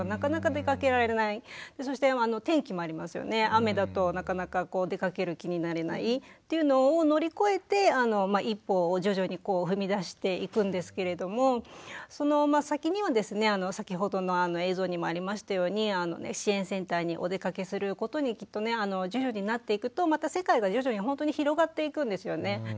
雨だとなかなか出かける気になれないっていうのを乗り越えて一歩を徐々に踏み出していくんですけれどもその先にはですね先ほどの映像にもありましたように支援センターにお出かけすることにきっとね徐々になっていくとまた世界が徐々にほんとに広がっていくんですよね。